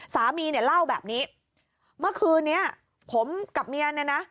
สามีเนี่ยเล่าแบบนี้เมื่อคืนนี้ผมกับเมียเนี่ยนะ